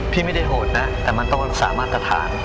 พี่ไม่ได้โหดนะแต่มันต้องรักษามาตรฐาน